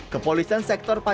kepolisian sektor pajak